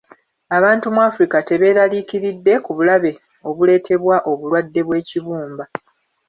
Abantu mu Africa tebeeraliikiridde ku bulabe obuleetebwa obulwadde bw'ekibumba.